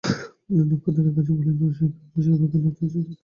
তিনি নক্ষত্ররায়ের কাছে বলিলেন, অসহায় গ্রামবাসীদের উপরে কেন এ অত্যাচার!